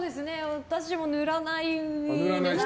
私も塗らないので。